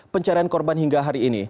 pencarian korban hingga hari ini